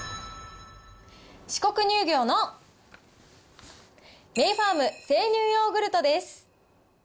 四国乳業のメイファーム生乳ヨーグルトです。